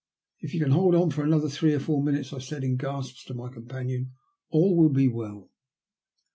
"If you can hold on for another three or four minutes," I said in gasps to my companion, "all will be well."